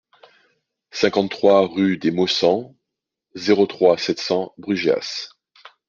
cinquante-trois rue des Maussangs, zéro trois, sept cents Brugheas